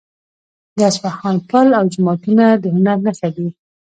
د اصفهان پل او جوماتونه د هنر نښه دي.